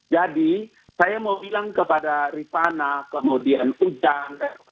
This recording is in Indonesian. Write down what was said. jadi saya mau bilang kepada rifana kemudian udang